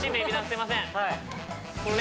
すいません